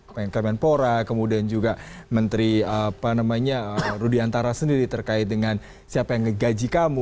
kemenpora kemudian juga menteri rudiantara sendiri terkait dengan siapa yang ngegaji kamu